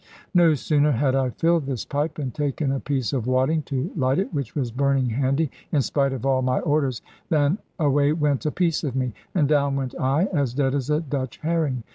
No sooner had I filled this pipe, and taken a piece of wadding to light it, which was burning handy (in spite of all my orders), than away went a piece of me; and down went I, as dead as a Dutch herring.